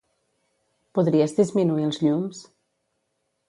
Podries disminuir els llums?